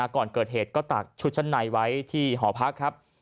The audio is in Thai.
ก่อนเกิดเหตุก็ตักชุดชั้นในไว้ที่หอพักครับ